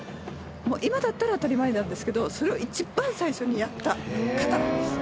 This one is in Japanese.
今だったら当たり前なんですけど、それを一番最初にやった方なんです。